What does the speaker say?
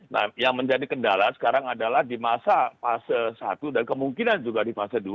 nah yang menjadi kendala sekarang adalah di masa fase satu dan kemungkinan juga di fase dua